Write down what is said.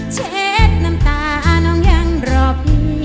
เช็ดน้ำตาน้องยังรบ